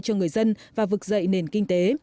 cho người dân và vực dậy nền kinh tế